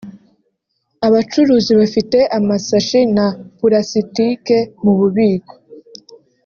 abacuruzi bafite amasashi na Pulasitike mu bubiko